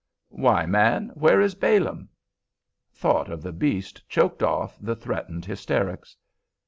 Why, man, where is Balaam?" Thought of the beast choked off the threatened hysterics.